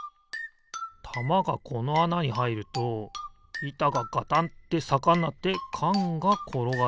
たまがこのあなにはいるといたがガタンってさかになってかんがころがる。